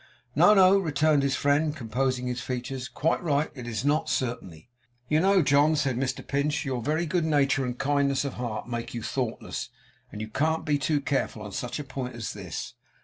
'No, no,' returned his friend, composing his features. 'Quite right. It is not, certainly.' 'You know, John,' said Mr Pinch, 'your very good nature and kindness of heart make you thoughtless, and you can't be too careful on such a point as this.